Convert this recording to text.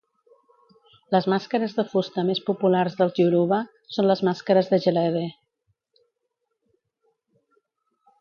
Les màscares de fusta més populars dels yoruba són les màscares de Gelede.